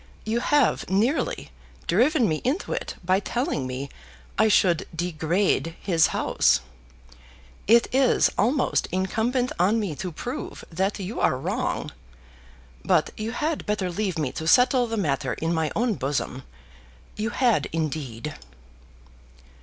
You have nearly driven me into it by telling me I should degrade his house. It is almost incumbent on me to prove that you are wrong. But you had better leave me to settle the matter in my own bosom. You had indeed."